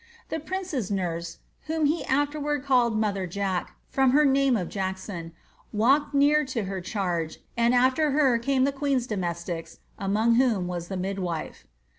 The prince'i nurse (whom he afterward called Mother Jack,* from her name of Jack son) vralked near to her charge, and after her came the queen's dome» tics, among whom was the midwife.